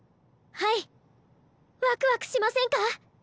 ワクワクしませんか？